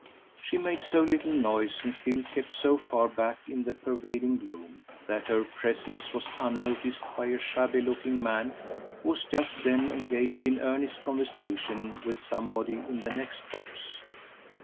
She made so little noise, and still kept so far back in the pervading gloom, that her presence was unnoticed by a shabby looking man, who was just then engaged in earnest conversation with somebody in the next box.